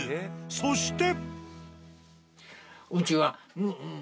そして。